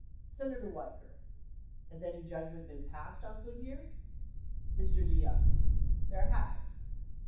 Senator Weicker. Has any judgment been passed on Good year? Mr. DeYoung. There has.